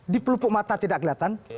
di pelupuk mata tidak kelihatan